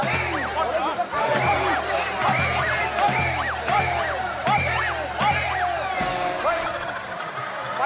มันไม่เจ็บเลยอ่ะ